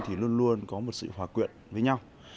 thì luôn luôn có một sự hòa quyện với nhau